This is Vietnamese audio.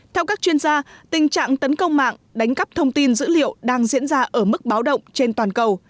theo các chuyên gia tình trạng tấn công mạng đánh cắp thông tin dữ liệu đang diễn ra ở mức báo động trên toàn cầu